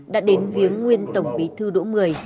đã đến viếng nguyên tổng bí thư đỗ mười